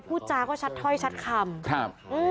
ผู้จาก็ชัดถ้อยชัดคำ